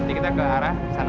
kita ke arah sana